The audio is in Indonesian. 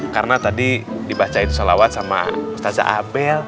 karena tadi dibacain salawat sama ustadz abel